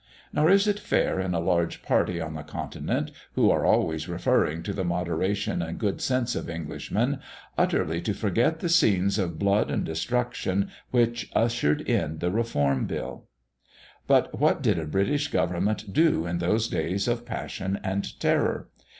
Nor is it fair in a large party on the Continent, who are always referring to the moderation and good sense of Englishmen, utterly to forget the scenes of blood and destruction which ushered in the Reform Bill. But what did a British Government do in those days of passion and terror?